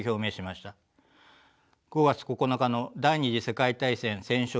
５月９日の第２次世界大戦戦勝